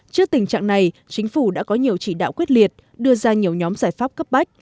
trước tình trạng này chính phủ đã có nhiều chỉ đạo quyết liệt đưa ra nhiều nhóm giải pháp cấp bách